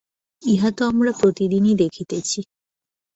ইহা তো আমরা প্রতিদিনই দেখিতেছি।